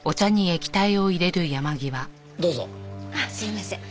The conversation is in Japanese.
あっすみません。